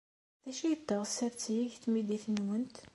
D acu ay teɣs ad t-teg tmidit-nwent?